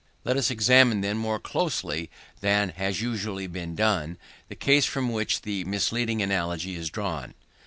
Let us examine, then, more closely than has usually been done, the case from which the misleading analogy is drawn.